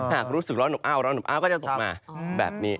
หากรู้สึกร้อนอบอ้าวร้อนอบอ้าวก็จะตกมาแบบนี้